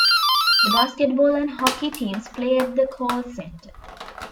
The basketball and hockey teams play at the Kohl Center.